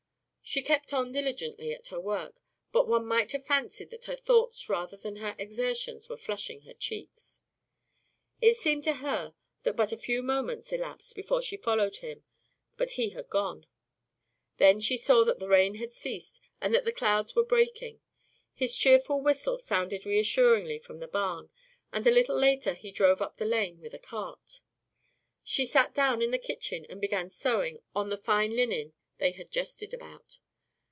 She kept on diligently at work, but one might have fancied that her thoughts rather than her exertions were flushing her cheeks. It seemed to her that but a few moments elapsed before she followed him, but he had gone. Then she saw that the rain had ceased and that the clouds were breaking. His cheerful whistle sounded reassuringly from the barn, and a little later he drove up the lane with a cart. She sat down in the kitchen and began sewing on the fine linen they had jested about.